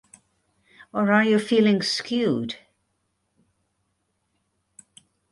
Or are your feelings skewed?